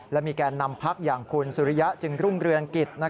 และมีแก่นำพักอย่างคุณสุริยะจึงรุ่งเรืองกิจ